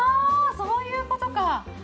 そういうことか！